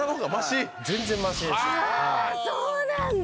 あそうなんだ。